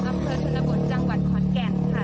อำเภอชนบทจังหวัดขอนแก่นค่ะ